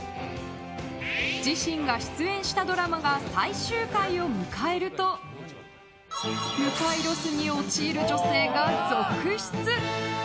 自身が出演したドラマが最終回を迎えると向井ロスに陥る女性が続出！